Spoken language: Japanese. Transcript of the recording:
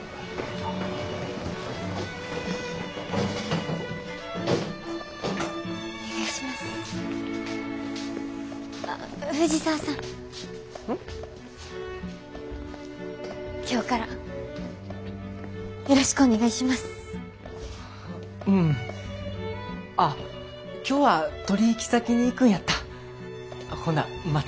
あ今日は取引先に行くんやった。